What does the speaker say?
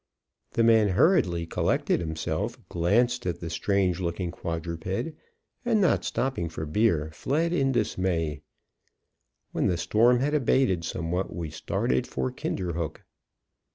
The man hurriedly collected himself, glanced at the strange looking quadruped, and not stopping for beer, fled in dismay. When the storm had abated somewhat, we started for Kinderhook.